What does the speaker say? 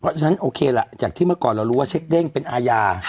เพราะฉะนั้นโอเคล่ะจากที่เมื่อก่อนเรารู้ว่าเช็คเด้งเป็นอาญา